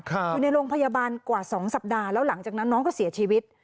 อยู่ในโรงพยาบาลกว่า๒สัปดาห์แล้วหลังจากนั้นน้องก็เสียชีวิต